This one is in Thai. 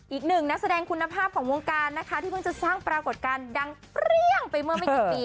อีกหนึ่งนักแสดงคุณภาพของวงการนะคะที่เพิ่งจะสร้างปรากฏการณ์ดังเปรี้ยงไปเมื่อไม่กี่ปี